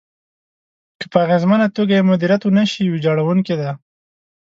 که په اغېزمنه توګه يې مديريت ونشي، ويجاړونکې ده.